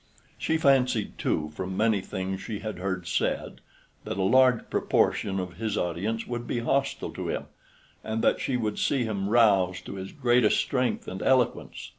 She fancied, too, from many things she had heard said, that a large proportion of his audience would be hostile to him, and that she would see him roused to his greatest strength and eloquence.